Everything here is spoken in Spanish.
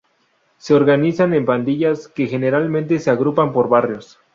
Se organizan en pandillas que generalmente se agrupan por barrios.